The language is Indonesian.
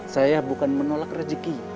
saya bukan menolak rezeki